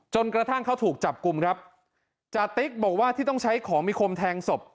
กระทั่งเขาถูกจับกลุ่มครับจติ๊กบอกว่าที่ต้องใช้ของมีคมแทงศพ